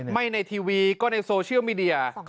ในทีวีก็ในโซเชียลมีเดีย